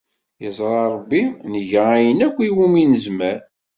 Yeẓra Rebbi nga ayen akk iwumi nezmer.